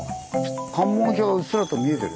関門橋がうっすらと見えてる。